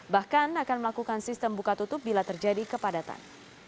bahkan akan melakukan sistem buka tutup bila terjadi kepadatan